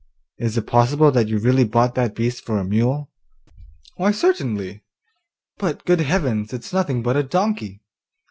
'Is it possible that you really bought that beast for a mule?' 'Why certainly.' 'But, good heavens, it's nothing but a donkey!